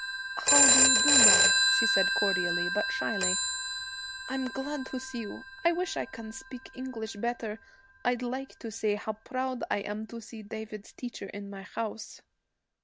'How do you do, ma'am?' she said, cordially, but shyly. 'I'm glad to see you. I wish I can speak English better, I'd like to say how proud I am to see David's teacher in my house.'